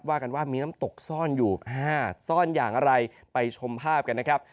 กันว่ามีน้ำตกซ่อนอยู่๕ซ่อนอย่างอะไรไปชมภาพกันนะครับ